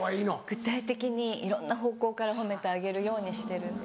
具体的にいろんな方向から褒めてあげるようにしてるんです。